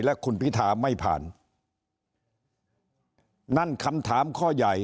และคุณพิธาไม่ผ่านนั่นคำถามข้อใหญ่